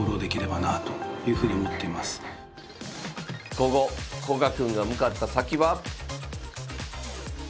午後古賀くんが向かった先は。